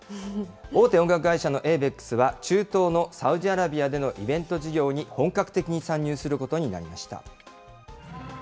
大手音楽会社のエイベックスは、中東のサウジアラビアでのイベント事業に本格的に参入することになりました。